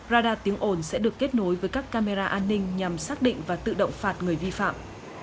radar tiếng ồn sẽ được kết nối với các camera an ninh nhằm xác định và tự động phạt người vi phạm